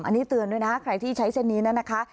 อันนี้เตือนด้วยนะใครที่ใช้เส้นนี้นะคะ